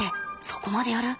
そこまでやる？